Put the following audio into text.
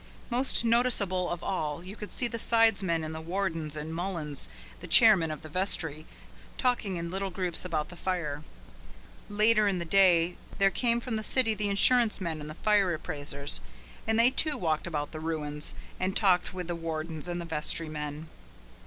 Most noticeable of all you could see the sidesmen and the wardens and Mullins, the chairman of the vestry, talking in little groups about the fire. Later in the day there came from the city the insurance men and the fire appraisers, and they too walked about the ruins, and talked with the wardens and the vestry men.